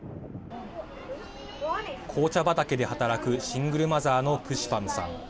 紅茶畑で働くシングルマザーのプシパムさん。